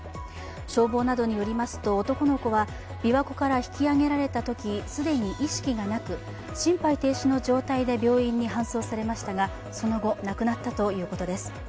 消防などによりますと男の子は琵琶湖から引き上げられたとき既に意識がなく心肺停止の状態で病院に搬送されましたがその後、亡くなったということです。